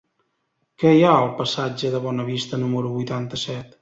Què hi ha al passatge de Bonavista número vuitanta-set?